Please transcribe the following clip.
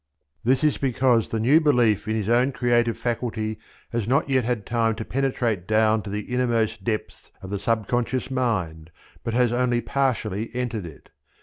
This is because the new belief in his own creative faculty has not yet had time to penetrate down to the innermost depths of the subconscious mind, but has only partially entered it.